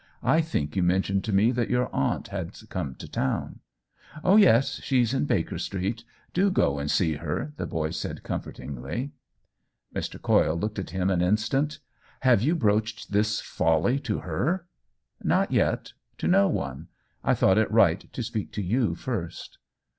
I think you mentioned to me that your aunt had come to town ?"" Oh yes ; she's in Baker Street. Do go and see her," the boy said, comfortingly. 152 OWEN WINGRAVE Mr. Coyle looked at him an instant " Have you broached this folly to her ?"•" Not yet — to no one. I thought it right to speak to you first."